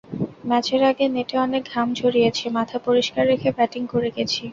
ম্যাচের আগে নেটে অনেক ঘাম ঝরিয়েছি, মাথা পরিষ্কার রেখে ব্যাটিং করে গেছি।